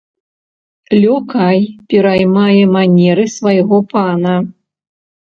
Лёкай пераймае манеры свайго пана.